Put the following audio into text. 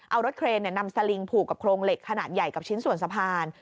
เอารถเครนนำสลิงผูกกับโครงเหล็กขนาดใหญ่กับชิ้นส่วนสะพาน